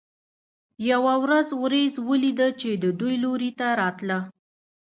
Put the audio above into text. یوه ورځ ورېځ ولیده چې د دوی لوري ته راتله.